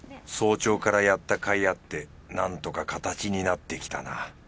早朝からやった甲斐あってなんとか形になってきたな